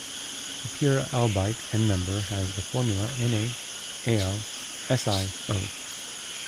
The pure albite endmember has the formula NaAlSiO.